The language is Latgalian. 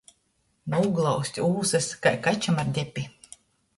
Nūglauzt ūsys kai kačam ar depi.